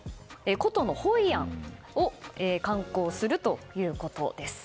古都のホイアンを観光するということです。